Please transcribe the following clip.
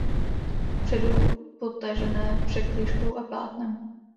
Vpředu potažené překližkou a plátnem.